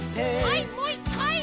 はいもう１かい！